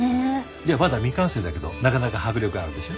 いやまだ未完成だけどなかなか迫力あるでしょ？